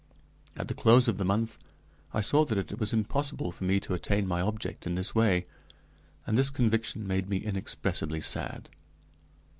At the close of the month I saw that it was impossible for me to attain my object in this way, and this conviction made me inexpressibly sad.